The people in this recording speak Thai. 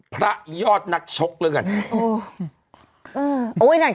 พระยอดนักช็อกเลย